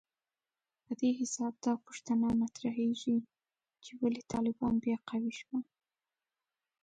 په دې حساب دا پوښتنه مطرحېږي چې ولې طالبان بیا قوي شول